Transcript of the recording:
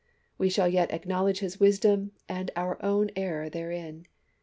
We shall yet acknowledge his wis dom, and our own error therein.